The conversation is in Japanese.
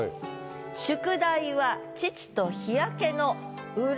「宿題は遅々と日焼けの鱗」